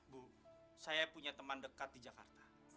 bu saya punya teman dekat di jakarta